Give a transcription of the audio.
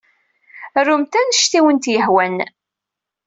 Rumt anect ay awent-yehwan.